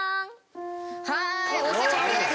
お久しぶりです！